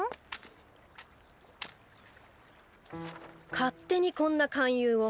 勝手にこんな勧誘を。